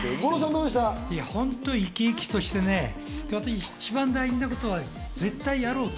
本当にいきいきとして、私、一番大事なことは絶対やろうと。